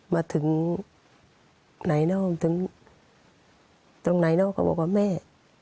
มาถึงไหนน้องถึงตรงไหนน้องเขาบอกว่าแม่